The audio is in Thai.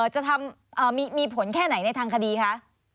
จะมีผลแค่ไหนในทางคดีคะ